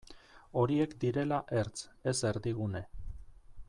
Horiek direla ertz, ez erdigune.